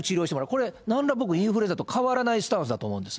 これ、なんら僕、インフルエンザと変わらないスタンスだと思うんです。